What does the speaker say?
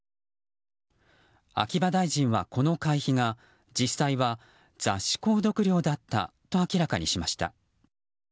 秋葉大臣はこの会費が実際は、雑誌購読料だったと明らかにしました。